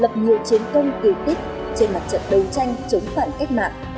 lập nhiều chiến công kỳ tích trên mặt trận đấu tranh chống phản cách mạng